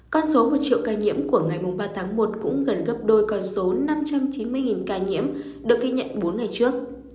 con số một triệu ca nhiễm của ngày ba tháng một cũng gần gấp đôi con số năm trăm chín mươi ca nhiễm được ghi nhận bốn ngày trước